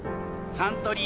サントリー